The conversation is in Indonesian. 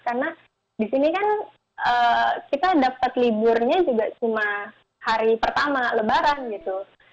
karena di sini kan kita dapat liburnya juga cuma hari pertama lebaran gitu